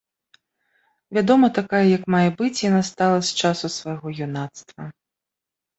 Вядома, такая, як мае быць, яна стала з часу свайго юнацтва.